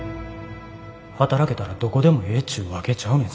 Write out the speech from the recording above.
働けたらどこでもええちゅうわけちゃうねんぞ。